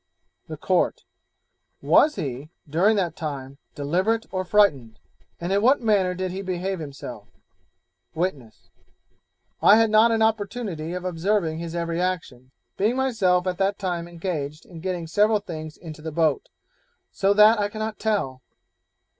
The Court 'Was he, during that time, deliberate or frightened, and in what manner did he behave himself?' Witness 'I had not an opportunity of observing his every action, being myself at that time engaged in getting several things into the boat, so that I cannot tell.'